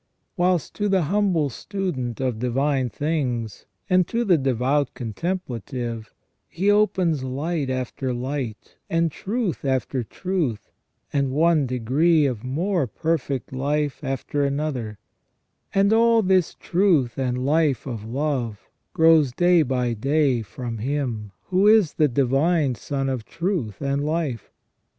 Whilst to the humble student of divine things, and to the devout contemplative, He opens light after light and truth after truth, and one degree of more perfect life after another ; and all this truth and life of love grows day by day from Him, who is the Divine Sun of truth and life.